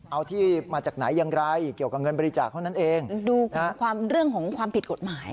เอาที่มาจากไหนอย่างไรเกี่ยวกับเงินบริจาคเท่านั้นเองดูความเรื่องของความผิดกฎหมาย